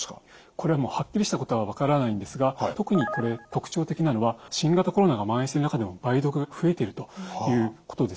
これはもうはっきりしたことは分からないんですが特にこれ特徴的なのは新型コロナがまん延している中でも梅毒増えているということですよね。